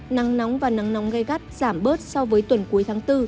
nắng nóng và nắng nóng gai gắt giảm bớt so với tuần cuối tháng bốn